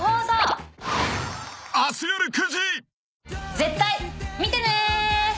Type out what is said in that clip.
絶対見てね！